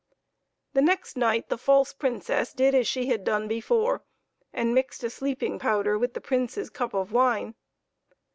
The next night the false Princess did as she had done before, and mixed a sleeping powder with the Prince's cup of wine.